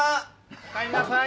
おかえりなさい。